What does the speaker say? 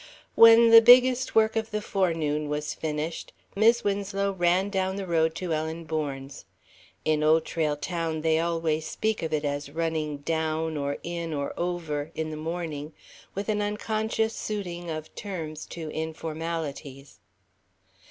When "the biggest of the work" of the forenoon was finished, Mis' Winslow ran down the road to Ellen Bourne's. In Old Trail Town they always speak of it as running down, or in, or over, in the morning, with an unconscious suiting of terms to informalities.